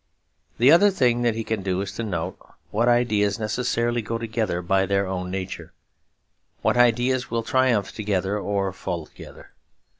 The other thing that he can do is to note what ideas necessarily go together by their own nature; what ideas will triumph together or fall together.